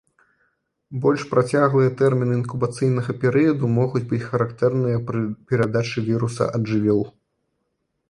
Больш працяглыя тэрміны інкубацыйнага перыяду могуць быць характэрныя пры перадачы віруса ад жывёл.